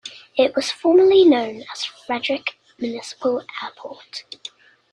It was formerly known as Frederick Municipal Airport.